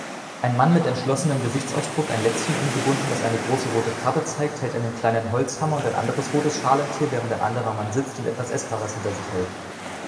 Ein Mann mit entschlossenem Gesichtsausdruck, ein Lätzchen umgebunden, das eine große rote Krabbe zeigt, hält einen kleinen Holzhammer und ein anderes rotes Schalentier, während ein anderer Mann sitzt und etwas Essbares hinter sich hält